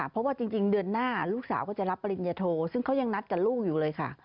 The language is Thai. เพราะว่าจริงเดือนหน้าลูกสาวก็จะรับปริญญโทซึ่งเขายังนัดกับลูกอยู่เลยค่ะ